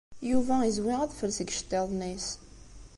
Yuba yezwi adfel seg yiceṭṭiḍen-is.